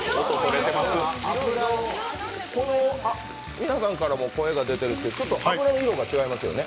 皆さんからも声が出てますけどちょっと油の色が違いますね。